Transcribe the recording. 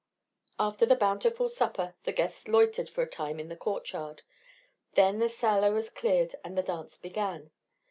After the bountiful supper the guests loitered for a time in the courtyard, then the sala was cleared and the dance began.